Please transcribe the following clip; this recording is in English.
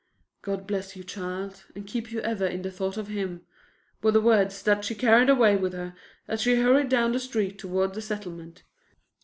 "God bless you, child, and keep you ever in thought of Him," were the words that she carried away with her as she hurried down the street toward the Settlement.